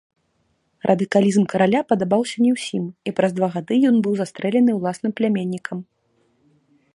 Радыкалізм караля падабаўся не ўсім і праз два гады ён быў застрэлены ўласным пляменнікам.